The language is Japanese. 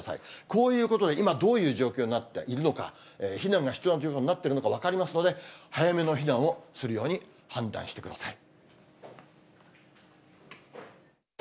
こういうことで今、どういう状況になっているのか、避難が必要な状況になっているのか分かりますので、早めの避難をするように判断してください。